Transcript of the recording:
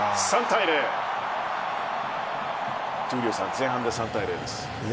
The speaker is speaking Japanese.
３対０前半で３対０です。